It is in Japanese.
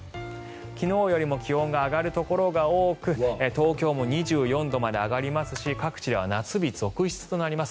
昨日よりも気温が上がるところが多く東京も２４度まで上がりますし各地では夏日続出となります。